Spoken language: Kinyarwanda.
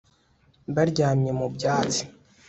Baryamye ku byatsi